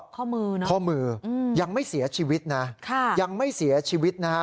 เข้ามือนะครับยังไม่เสียชีวิตนะครับยังไม่เสียชีวิตนะครับ